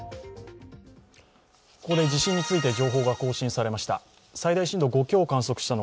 ここで地震について情報が更新されました。